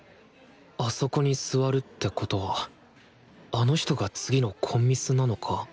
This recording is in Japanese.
あそこに座るってことはあの人が次のコンミスなのか？